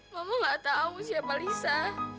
mama gak tau siapa lisa